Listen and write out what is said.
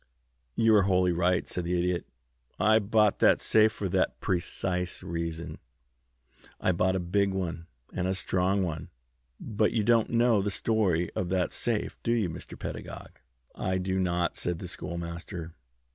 "You are wholly right," said the Idiot. "I bought that safe for that precise reason, and I bought a big one and a strong one. But you don't know the story of that safe, do you, Mr. Pedagog?" "I do not," said the Schoolmaster.